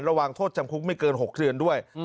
ระวังโทษจำคุกไม่เกิน๖เดือนด้วย